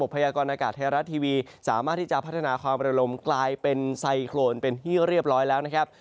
พยากรณากาศไทยรัฐทีวีสามารถที่จะพัฒนาความระลมกลายเป็นไซโครนเป็นที่เรียบร้อยแล้วนะครับ